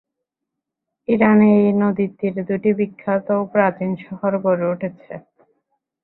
ইরানে এই নদীর তীরে দুটি বিখ্যাত ও প্রাচীন শহর গড়ে উঠেছে।